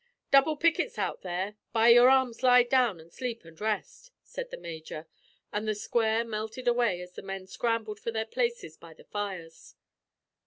"Double pickets out there; by your arms lie down and sleep the rest," said the major, and the square melted away as the men scrambled for their places by the fires.